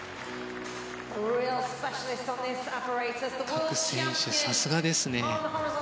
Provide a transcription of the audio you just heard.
各選手、さすがですね。